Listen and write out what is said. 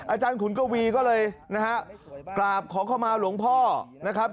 อาจารย์ขุนกวีก็เลยนะฮะกราบขอเข้ามาหลวงพ่อนะครับ